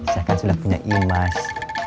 saya kan sudah punya emas